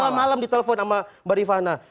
selamat malam ditelepon sama mbak rifana